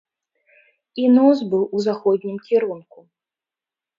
І нос быў у заходнім кірунку.